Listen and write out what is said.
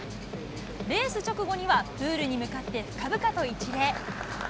レース直後には、プールに向かって深々と一礼。